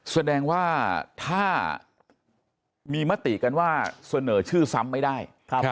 แสดงว่าถ้ามีมติกันว่าเสนอชื่อซ้ำไม่ได้